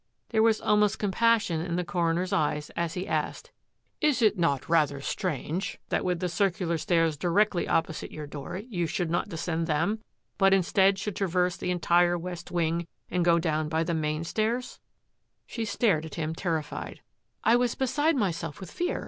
There was almost compassion in the coroner's eyes as he asked, " Is it not rather strange that with the circular stairs directly opposite your door you should not descend them, but instead should traverse the entire west wing and go down by the main stairs? " 188 THAT AFFAIR AT THE MANOR She stared at him terrified. " I was beside my self with fear.